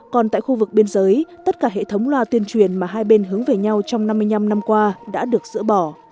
còn tại khu vực biên giới tất cả hệ thống loa tuyên truyền mà hai bên hướng về nhau trong năm mươi năm năm qua đã được dỡ bỏ